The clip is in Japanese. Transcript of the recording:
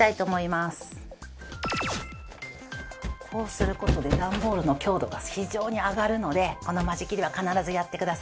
こうする事で段ボールの強度が非常に上がるのでこの間仕切りは必ずやってください。